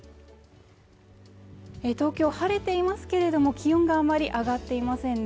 東京晴れてますけれども気温があまり上がっていませんね